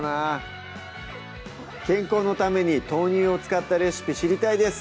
健康のために豆乳を使ったレシピ知りたいです